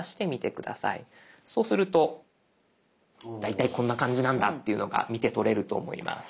そうすると大体こんな感じなんだというのが見てとれると思います。